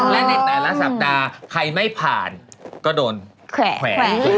และในแต่ละสัปดาห์ใครไม่ผ่านก็โดนแขวน